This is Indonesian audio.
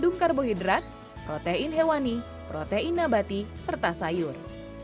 bungkarbohidrat protein hewani protein nabati serta sayur